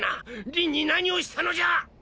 りんに何をしたのじゃ！